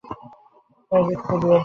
তিনি এডিথকে বিয়ে করেন।